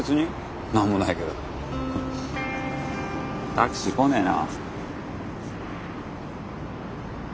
タクシー来ねえな。